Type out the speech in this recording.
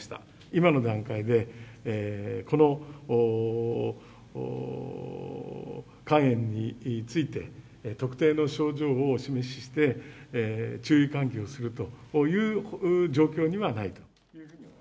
今の段階で、この肝炎について、特定の症状をお示しして、注意喚起をするという状況にはないと。